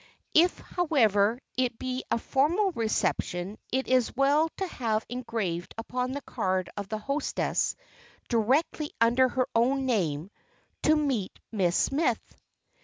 If, however, it be a formal reception it is well to have engraved upon the card of the hostess, directly under her own name, "To meet Miss Smith."